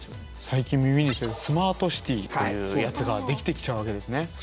最近耳にするスマートシティというやつができてきちゃうわけですね。